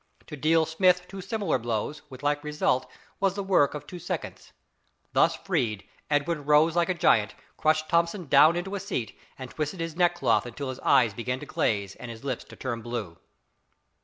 To deal Smith two similar blows, with like result, was the work of two seconds. Thus freed, Edwin rose like a giant, crushed Thomson down into a seat, and twisted his neckcloth until his eyes began to glaze and his lips to turn blue.